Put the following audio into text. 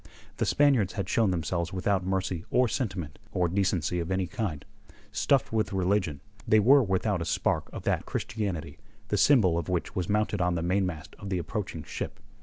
The Spaniards had shown themselves without mercy or sentiment or decency of any kind; stuffed with religion, they were without a spark of that Christianity, the Symbol of which was mounted on the mainmast of the approaching ship.